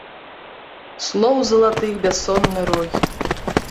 Слоў залатых бяссонны рой.